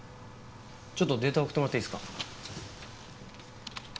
ちょっとデータ送ってもらっていいですか？